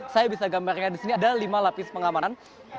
saya bisa gambarkan disini ada lima lapis pengamanan